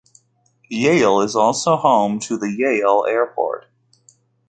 Yale is also home to the Yale Airport.